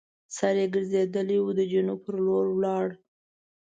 سر یې ګرځېدلی وو د جنوب پر لور لاړ.